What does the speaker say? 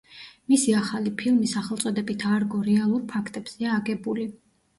მისი ახალი ფილმი, სახელწოდებით „არგო“ რეალურ ფაქტებზეა აგებული.